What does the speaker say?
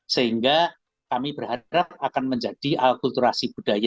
sehingga kami berharap akan menjadi akulturasi budaya